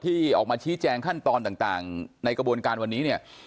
ออกมาชี้แจงขั้นตอนต่างในกระบวนการวันนี้เนี่ย